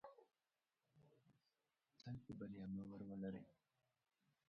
تل په بریا باور ولرئ.